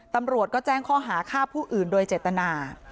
ตำรวจก็แจ้งข้อหาฆ่าผู้อื่นโดยเจตนา